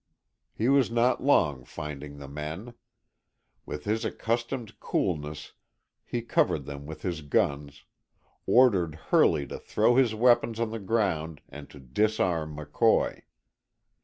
He was not long finding the men. With his accustomed coolness he covered them with his guns, ordered Hurley to throw his weapon on the ground and to disarm McCoy.